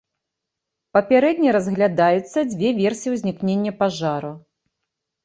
Папярэдне разглядаюцца дзве версіі ўзнікнення пажару.